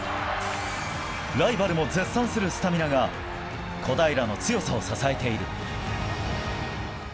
ライバルも絶賛するスタミナが小平の強さを支えている。